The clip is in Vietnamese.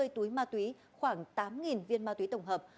hai mươi túi ma túy khoảng tám viên ma túy tổng hợp